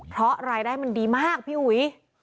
เพราะรายได้มันดีมากพี่อุ๋ย